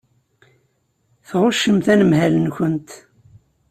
Tɣuccemt anemhal-nkent.